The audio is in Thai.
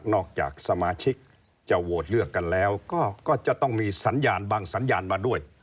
จากสมาชิกจะโหวตเลือกกันแล้วก็จะต้องมีสัญญาณบางสัญญาณมาด้วย